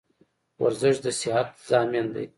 ورزش دصیحت زامین ده